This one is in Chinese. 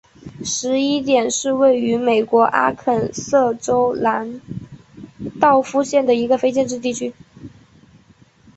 十一点是位于美国阿肯色州兰道夫县的一个非建制地区。